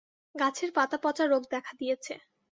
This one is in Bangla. গাছের পাতা পচা রোগ দেখা দিয়েছে।